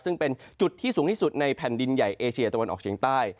ซึ่งเป็นจุดที่สูงที่สุดในแผ่นดินใหญ่เอเชียตะวันออกเฉียงใต้